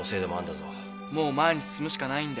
もう前に進むしかないんだよ。